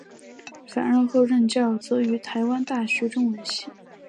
返台后任教则于台湾大学中文系。